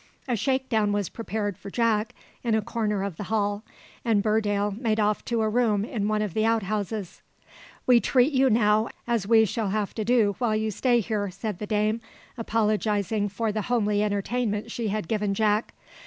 A shake down was prepared for Jack in a corner of the hall; and Burdale made off to a room in one of the out houses. "We treat you now as we shall have to do while you stay here," said the dame, apologising for the homely entertainment she had given Jack.